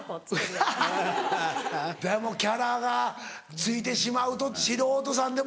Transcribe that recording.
でもキャラがついてしまうと素人さんでも。